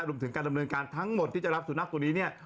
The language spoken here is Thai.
รวมถึงการดำเนินการทั้งหมดที่จะรับสุนัขตัวนี้เนี่ย